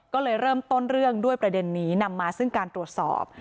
ก็เลยเริ่มต้นเรื่องด้วยประเด็นนี้นำมาซึ่งการตรวจสอบ